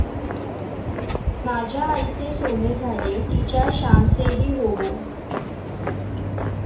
माझ्या आईचे सोने झाले, तिच्या श्यामचेही होवो.